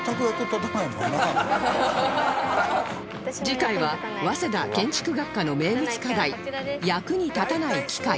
次回は早稲田建築学科の名物課題役に立たない機械